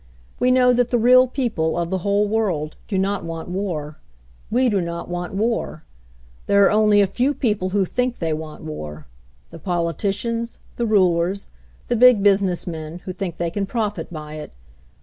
"We know that the real people of the whole world do not want war. We do not want war. There are only a few people who think they want war — the politicians, the rulers, the Big Busi ness men, who think they can profit by it.